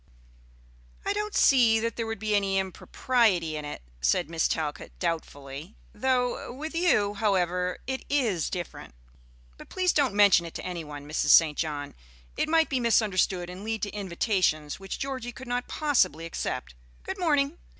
"I don't see that there would be any impropriety in it," said Miss Talcott, doubtfully; "though with you, however, it is different. But please don't mention it to any one, Mrs. St. John. It might be misunderstood and lead to invitations which Georgie could not possibly accept. Good morning."